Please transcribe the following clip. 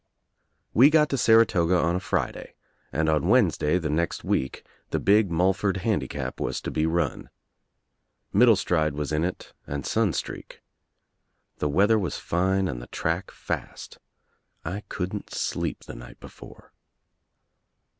We got to Saratoga on a Friday and on Wednes day the next week the big Mullford Handicap was to be run. Middlestride was in it and Sunstreak. The weather was fine and the track fast. I couldn't sleep the night before.